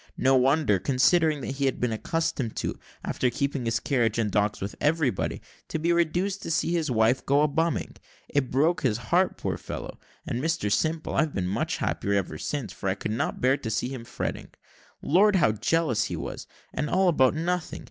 No wonder, considering what he had been accustomed to, after keeping his carriage and dogs with everybody, to be reduced to see his wife go a bumming. It broke his heart, poor fellow! and, Mr Simple, I've been much happier ever since, for I could not bear to see him fretting. Lord, how jealous he was and all about nothing!